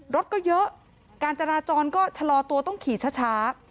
รถก็เยอะการจราจรก็ชะลอตัวต้องขี่ช้า